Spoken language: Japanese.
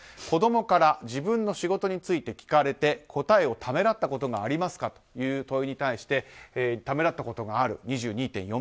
子供から自分の仕事について聞かれて答えをためらったことがありますかという問いに対してためらったことがある２２．４％。